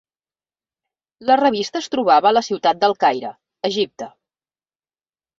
La revista es trobava a la ciutat del Caire, Egipte.